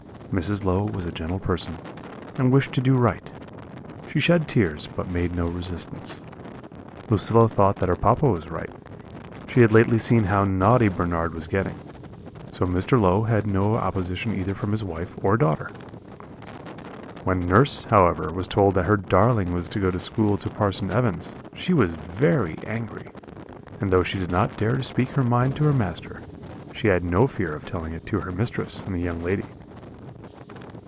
"Mrs. Low was a gentle person, and wished to do right; she shed tears, but made no resistance. Lucilla thought that her papa was right; she had lately seen how naughty Bernard was getting; so Mr. Low had no opposition either from his wife or daughter. When nurse, however, was told that her darling was to go to school to Parson Evans, she was very angry; and though she did not dare to speak her mind to her master, she had no fear of telling it to her mistress and the young lady.